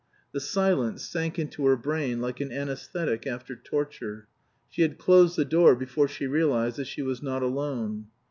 The silence sank into her brain like an anesthetic after torture. She had closed the door before she realized that she was not alone.